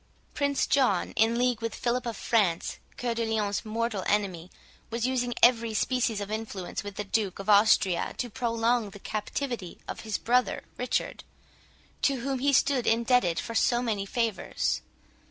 Prince John, in league with Philip of France, Cœur de Lion's mortal enemy, was using every species of influence with the Duke of Austria, to prolong the captivity of his brother Richard, to whom he stood indebted for so many favours.